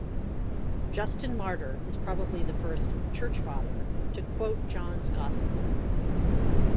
Justin Martyr is probably the first "Church Father" to quote John's gospel.